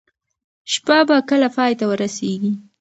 شپه به کله پای ته ورسیږي؟